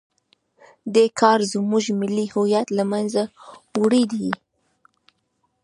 دې کار زموږ ملي هویت له منځه وړی دی.